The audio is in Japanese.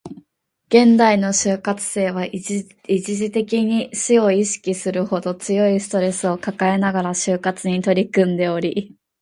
現代の就活生は、一時的に死を意識するほど強いストレスを抱えながら就活に取り組んでおり